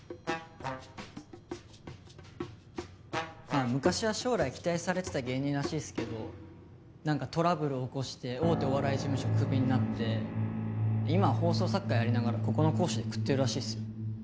まあ昔は将来を期待されてた芸人らしいっすけどなんかトラブルを起こして大手お笑い事務所をクビになって今は放送作家やりながらここの講師で食ってるらしいっすよ。